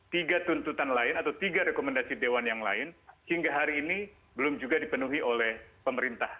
tiga tuntutan lain atau tiga rekomendasi dewan yang lain hingga hari ini belum juga dipenuhi oleh pemerintah